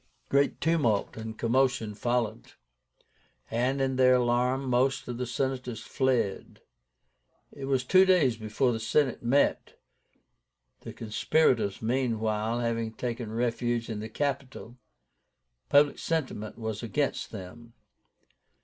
Great tumult and commotion followed; and, in their alarm, most of the Senators fled. It was two days before the Senate met, the conspirators meanwhile having taken refuge in the Capitol. Public sentiment was against them.